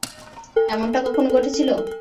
এমনটা কখনো ঘটেছিল?